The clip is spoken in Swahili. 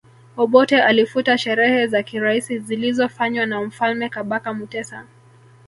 Obote alifuta sherehe za kiraisi zilizofanywa na Mfalme Kabaka Mutesa